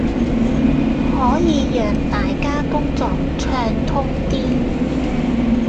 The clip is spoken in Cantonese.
可以讓大家工作暢通啲